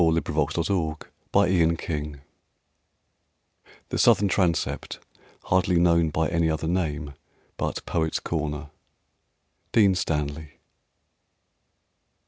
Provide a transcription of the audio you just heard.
IN WESTMINSTER ABBEY "The Southern Transept, hardly known by any other name but Poet's Corner." DEAN STANLEY.